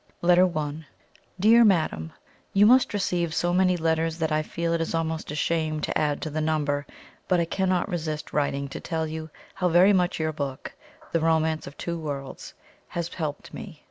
] LETTER I. "DEAR MADAM, "You must receive so many letters that I feel it is almost a shame to add to the number, but I cannot resist writing to tell you how very much your book, 'The Romance of Two Worlds,' has helped me.